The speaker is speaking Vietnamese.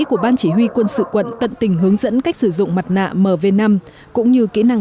của ban chỉ huy quân sự quận tận tình hướng dẫn cách sử dụng mặt nạ mv năm cũng như kỹ năng